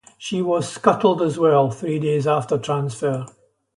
She was scuttled as well, three days after transfer.